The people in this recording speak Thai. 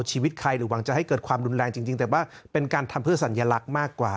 จริงแต่ว่าเป็นการทำเพื่อสัญลักษณ์มากกว่า